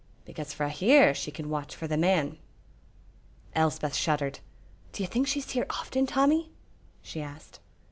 "Because frae here she can watch for the man." Elspeth shuddered. "Do you think she's here often, Tommy?" she asked.